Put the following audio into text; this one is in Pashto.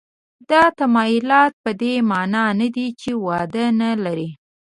دا تمایلات په دې معنا نه دي چې وده نه لري.